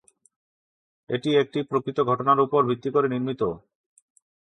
এটি একটি প্রকৃত ঘটনার উপর ভিত্তি করে নির্মিত।